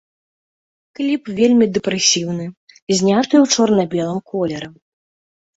Кліп вельмі дэпрэсіўны, зняты ў чорна-белым колеры.